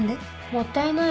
もったいないよ。